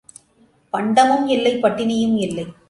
பண்டமும் இல்லை பட்டினியும் இல்லை.